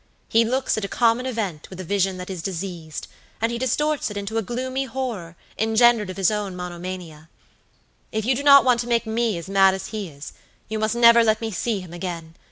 He looks at a common event with a vision that is diseased, and he distorts it into a gloomy horror engendered of his own monomania. If you do not want to make me as mad as he is, you must never let me see him again.